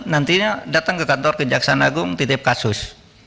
nantinya datang ke kantor kejaksaan agung titip kasus